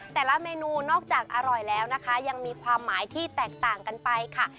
แต่ละเมนูนอกจากอร่อยแล้วนะคะยังมีความหมายที่แตกต่างกันไปค่ะ